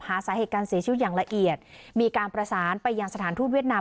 หาสาเหตุการเสียชีวิตอย่างละเอียดมีการประสานไปยังสถานทูตเวียดนาม